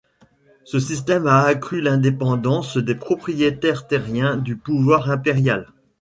Ce système a accru l’indépendance des propriétaires terriens du pouvoir impérial.